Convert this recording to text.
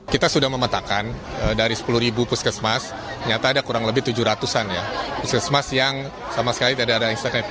kita sudah memetakan dari sepuluh ribu puskesmas ternyata ada kurang lebih tujuh ratus an ya puskesmas yang sama sekali tidak ada instansi